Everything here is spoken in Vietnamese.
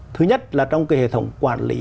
thứ nhất là trong cái hệ thống quản lý